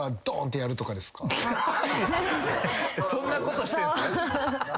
そんなことしてんすか？